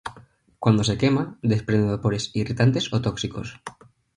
Cuando se quema, desprende vapores irritantes o tóxicos.